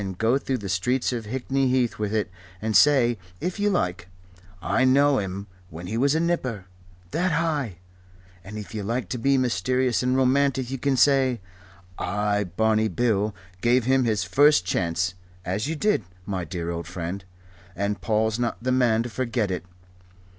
And go through the streets of Hickney Heath with it, and say if you like: 'I knew him when' he was a nipper that high.' And if you like to be mysterious and romantic you can say: 'I, Barney Bill, gave him his first chance,' as you did, my dear old friend, and Paul's not the man to forget it.